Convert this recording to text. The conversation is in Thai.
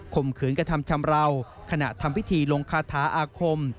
มขืนกระทำชำราวขณะทำพิธีลงคาถาอาคม